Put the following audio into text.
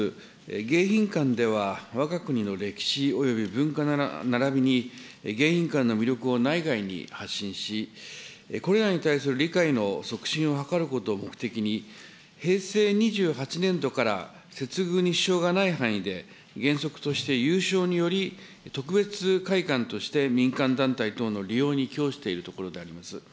迎賓館ではわが国の歴史および文化ならびに迎賓館の魅力を内外に発信し、これらに対する理解の促進を図ることを目的に、平成２８年度から接遇に支障がない範囲で、原則として有償により特別会館として民間団体等の利用に供しているところであります。